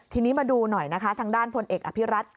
ทีนี้มาดูหน่อยนะคะทางด้านพลเอกอภิรัต